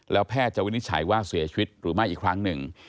แล้วแพทย์จะวินิจฉัยว่าเสียชีวิตหรือไม่อีกครั้งหนึ่ง